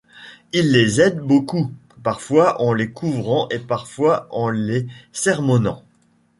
Il les aide beaucoup, parfois en les couvrant et parfois en les sermonnant.